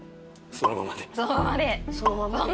そのままで。